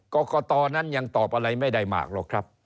กรกตนั้นยังตอบอะไรไม่ได้มากหรอกครับ